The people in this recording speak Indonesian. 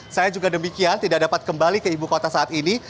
saya juga demikian tidak dapat kembali ke ibu kota saat ini